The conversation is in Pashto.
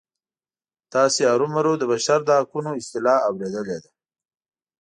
تاسې هرومرو د بشر د حقونو اصطلاح اوریدلې ده.